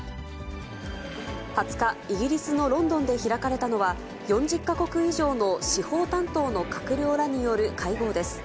２０日、イギリスのロンドンで開かれたのは、４０か国以上の司法担当の閣僚らによる会合です。